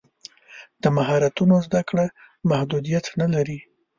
د مهارتونو زده کړه محدودیت نه لري.